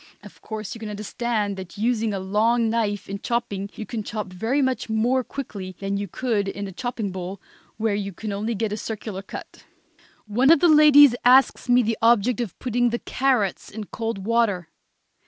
Of course you can understand that using a long knife in chopping you can chop very much more quickly than you could in a chopping bowl, where you only get a circular cut. One of the ladies asks me the object of putting the carrots in cold water.